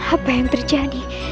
apa yang terjadi